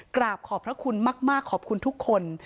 กราบขอบพระคุณมากขอบคุณทุกคน